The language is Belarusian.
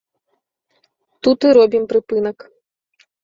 Тут і робім прыпынак.